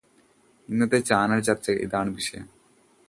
ഇന്നത്തെ ചാനൽ ചർച്ചയിൽ എന്താണ് വിഷയം